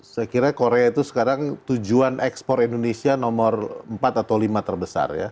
saya kira korea itu sekarang tujuan ekspor indonesia nomor empat atau lima terbesar ya